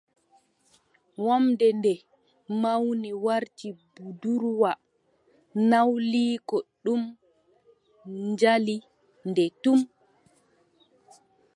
Wamnde nde mawni warti budurwa. Nawliiko ɗon jali nde tum.